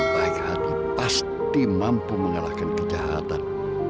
baik hati pasti mampu mengalahkan kejahatan